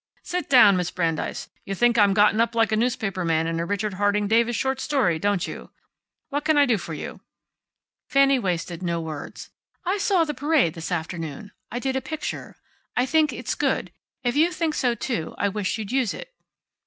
"Sit down, Miss Brandeis. You think I'm gotten up like the newspaper man in a Richard Harding Davis short story, don't you? What can I do for you?" Fanny wasted no words. "I saw the parade this afternoon. I did a picture. I think it's good. If you think so too, I wish you'd use it."